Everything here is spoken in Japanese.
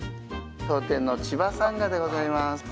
当店の千葉さんがでございます。